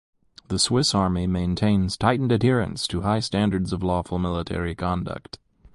The Swiss Army maintains tightened adherence to high standards of lawful military conduct.